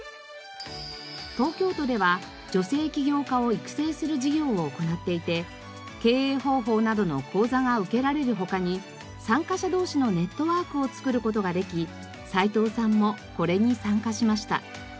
東京都では女性起業家を育成する事業を行っていて経営方法などの講座が受けられる他に参加者同士のネットワークを作る事ができ齋藤さんもこれに参加しました。